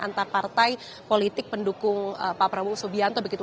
antapartai politik pendukung pak prabowo subianto begitu